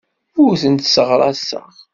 Ur tent-sseɣraseɣ.